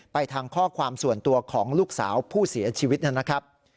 ไปทางข้อความส่วนตัวของลูกสาวผู้เสียชีวิตนะครับ